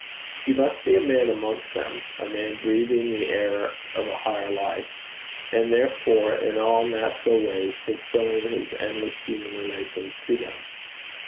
'He must be a man amongst them a man breathing the air of a higher life, and therefore in all natural ways fulfilling his endless human relations to them.